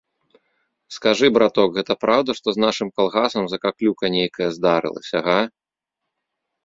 Скажы, браток, гэта праўда, што з нашым калгасам закаклюка нейкая здарылася, га?